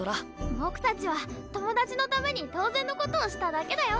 僕たちは友達のために当然のことをしただけだよ。